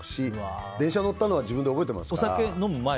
電車乗ったのは自分で覚えてますから。